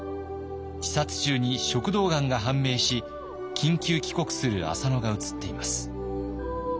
視察中に食道がんが判明し緊急帰国する浅野が映っています。